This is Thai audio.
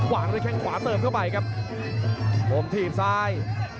วางด้วยแข้งขวาเติมเข้าไปครับผมถีบซ้าย